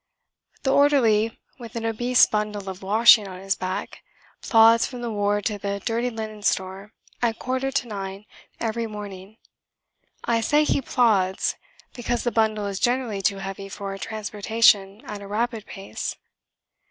The orderly, with an obese bundle of washing on his back, plods from the ward to the Dirty Linen Store at quarter to nine every morning. I say he "plods" because the bundle is generally too heavy for transportation at a rapid pace.